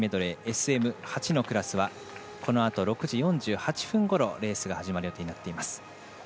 ＳＭ８のクラスはこのあと６時４８分ごろレースが始まる予定になっています。